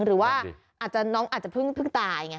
หรือว่าน้องอาจจะเพิ่งตาย